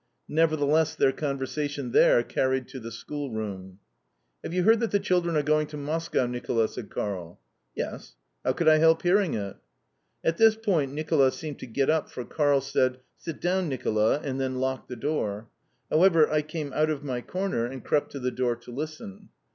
Nevertheless their conversation there carried to the schoolroom. "Have you heard that the children are going to Moscow, Nicola?" said Karl. "Yes. How could I help hearing it?" At this point Nicola seemed to get up for Karl said, "Sit down, Nicola," and then locked the door. However, I came out of my corner and crept to the door to listen.